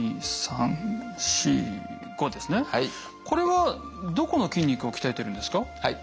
これはどこの筋肉を鍛えてるんですか？